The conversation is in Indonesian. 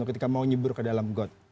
ketika mau nyebur ke dalam got